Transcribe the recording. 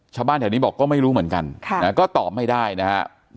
ชาวบ้านแถวนี้บอกก็ไม่รู้เหมือนกันก็ตอบไม่ได้นะฮะ